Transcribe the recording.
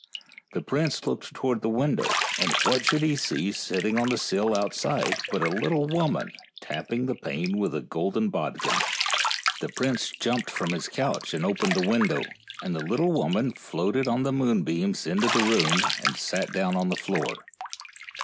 The prince looked towards the window, and what should he see sitting on the sill outside but a little woman tapping the pane with a golden bodkin. The prince jumped from his couch and opened the window, and the little woman floated on the moonbeams into the room and sat down on the floor.